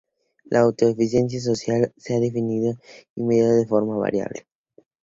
La autoeficacia social se ha definido y medido de forma variable.